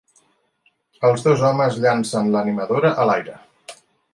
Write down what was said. Els dos homes llancen l'animadora a l'aire.